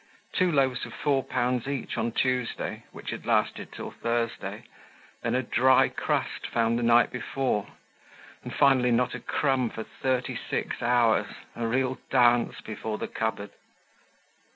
Two loaves of four pounds each on Tuesday, which had lasted till Thursday; then a dry crust found the night before, and finally not a crumb for thirty six hours, a real dance before the cupboard!